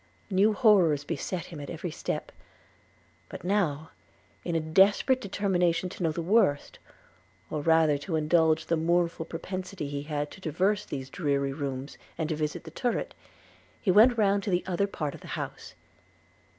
New horrors beset him at every step; but now, in a desperate determination to know the worst, or rather to indulge the mournful propensity he had to traverse these dreary rooms, and to visit the turret, he went round to the other part of the house.